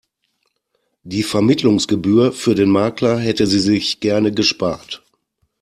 Die Vermittlungsgebühr für den Makler hätte sie sich gerne gespart.